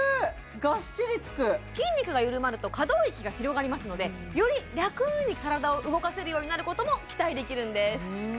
ガッシリつく筋肉が緩まると可動域が広がりますのでより楽に体を動かせるようになることも期待できるんです